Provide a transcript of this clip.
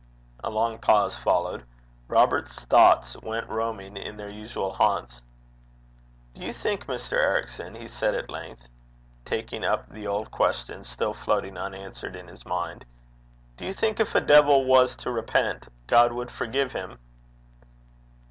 A long pause followed. Robert's thoughts went roaming in their usual haunts. 'Do you think, Mr. Ericson,' he said, at length, taking up the old question still floating unanswered in his mind, 'do you think if a devil was to repent God would forgive him?'